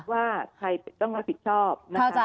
ว่าใครต้องรับผิดชอบนะคะ